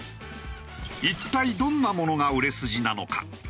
一体どんなものが売れ筋なのか。